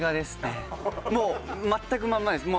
もう全くまんまです。